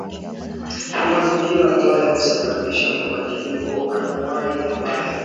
kwa mazingira ambayo husababisha mabadiliko anuwai mabaya